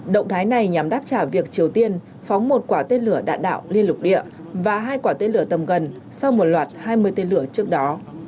động thái này nhằm đáp trả việc triều tiên phóng một quả tên lửa đạn đạo liên lục địa và hai quả tên lửa tầm gần sau một loạt hai mươi tên lửa trước đó